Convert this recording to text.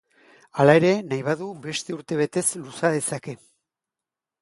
Hala ere, nahi badu, beste urtebetez luza dezake.